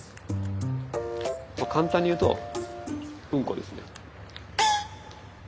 簡単に言うとうんこですね。